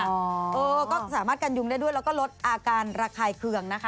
เออก็สามารถกันยุงได้ด้วยแล้วก็ลดอาการระคายเคืองนะคะ